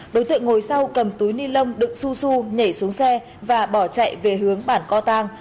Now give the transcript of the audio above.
đối tượng ngồi sau cầm túi ni lông đựng su su nhảy xuống xe và bỏ chạy về hướng bản co tăng